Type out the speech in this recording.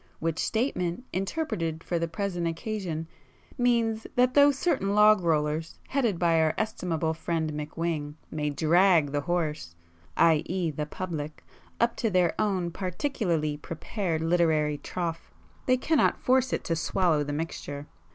Which statement, interpreted for the present occasion, means that though certain log rollers, headed by our estimable friend McWhing, may drag the horse—i.e. the public, up to their own particularly prepared literary trough, they cannot force it to swallow the mixture.